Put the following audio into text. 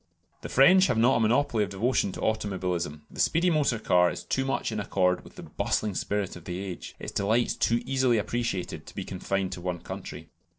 The French have not a monopoly of devotion to automobilism. The speedy motor car is too much in accord with the bustling spirit of the age; its delights too easily appreciated to be confined to one country.